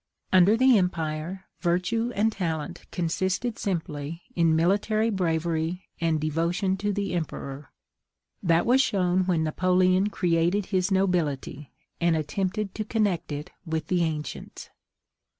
Under the empire, virtue and talent consisted simply in military bravery and devotion to the emperor; that was shown when Napoleon created his nobility, and attempted to connect it with the ancients.